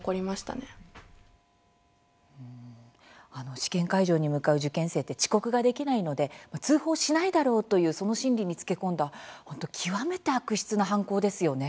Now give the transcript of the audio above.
試験会場に向かう受験生って遅刻ができないので通報しないだろうというその心理につけ込んだ本当、極めて悪質な犯行ですよね。